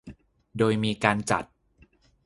โดยมีการจัด